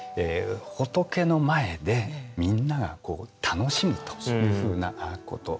仏の前でみんなが楽しむというふうなこと。